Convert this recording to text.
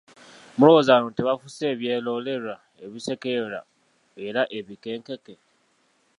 Mulowooza bano tebafuuse ebyerolerwa, ebisekererwa era ebikekenke?